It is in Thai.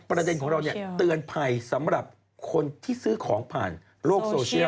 ประเด็นของเราเนี่ยเตือนภัยสำหรับคนที่ซื้อของผ่านโลกโซเชียล